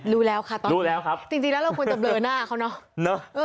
รู้แล้วครับตอนนี้จริงแล้วเราควรจะเบลอหน้าเขาน้อง